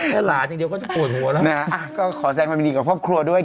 แค่หลานอย่างเดียวก็จะโกรธหัวแล้วก็ขอแทรกษ์ธรรมดีกับพบครัวด้วย